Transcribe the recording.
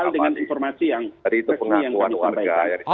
jadi itu pengakuan warga yang disampaikan oleh bpn